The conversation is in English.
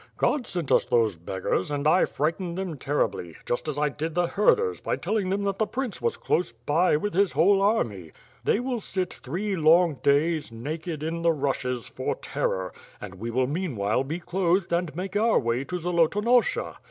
God sent us those beggars and I frightened them ter ribly, just as I did the herders by telling them that the prince was close by, with his whole army. They will sit three long 17 ^58 WITH FIRE AND 8W0kD. days, naked, in the rushes, for terror, and we will meanwhile be clothed and make our way to Zolotonosha.